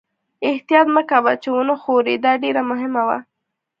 احتیاط مې کاوه چې و نه ښوري، دا ډېره مهمه وه.